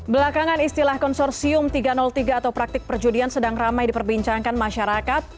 belakangan istilah konsorsium tiga ratus tiga atau praktik perjudian sedang ramai diperbincangkan masyarakat